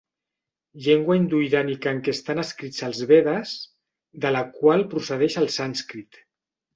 Llengua indoirànica en què estan escrits els Vedes, de la qual procedeix el sànscrit.